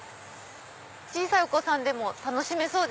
小さいお子さんでも楽しめそう。